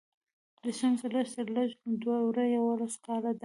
د شمسي لږ تر لږه دوره یوولس کاله ده.